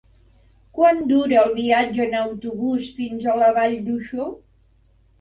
Quant dura el viatge en autobús fins a la Vall d'Uixó?